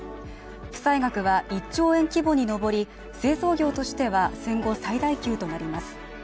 負債額は１兆円規模に上り製造業としては戦後最大級となります。